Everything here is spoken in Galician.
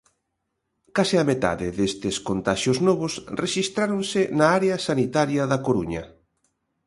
Case a metade destes contaxios novos rexistráronse na área sanitaria da Coruña.